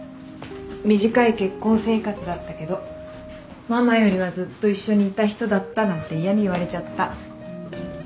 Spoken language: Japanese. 「短い結婚生活だったけどママよりはずっと一緒にいた人だった」なんて嫌み言われちゃった。